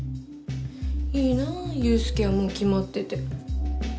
いいな悠介はもうきまってて。